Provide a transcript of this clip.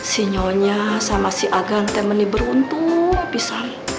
si nyonya sama si agan temennya beruntung bisa